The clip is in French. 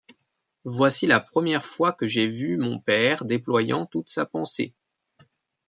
Voici la première fois que j’ai vu mon père déployant toute sa pensée.